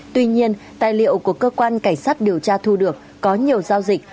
tuy nhiên tài liệu của cơ quan cảnh sát điều tra thu được có nhiều giao dịch